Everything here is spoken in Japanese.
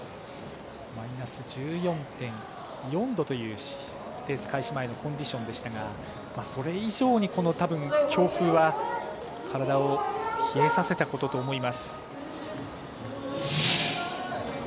マイナス１４．４度というレース開始前のコンディションでしたがそれ以上に多分、この強風は体を冷えさせたことと思います。